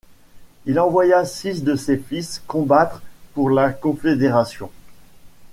Il envoya six de ses fils combattre pour la Confédération.